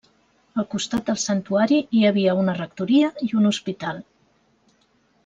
Al costat del santuari hi havia una rectoria i un hospital.